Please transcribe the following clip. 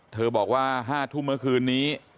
บอกว่า๕ทุ่มเมื่อคืนนี้